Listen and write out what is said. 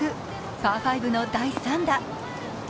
パー５の第３打。